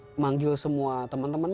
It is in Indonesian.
questa olena bisa disimpulkan dengan resep ini